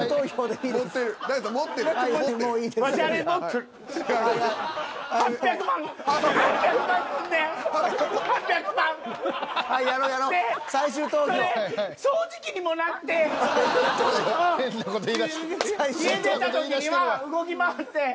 家出た時には動き回って。